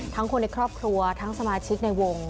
คนในครอบครัวทั้งสมาชิกในวง